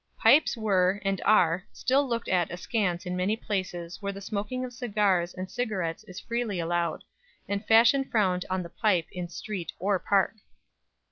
Pipes were (and are) still looked at askance in many places where the smoking of cigars and cigarettes is freely allowed, and fashion frowned on the pipe in street or Park.